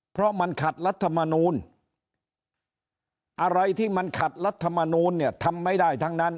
เพราะมันขัดรัฐมนูลอะไรที่มันขัดรัฐมนูลเนี่ยทำไม่ได้ทั้งนั้น